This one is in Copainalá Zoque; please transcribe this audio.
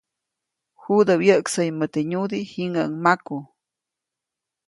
Judä wyäʼksäyumäʼ teʼ nyudiʼ, jiŋäʼuŋ maku.